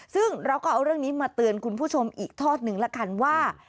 ซึ่งเราก็เอาเรื่องนี้มาเตือนคุณผู้ชมอีกทอดหนึ่งละกันว่า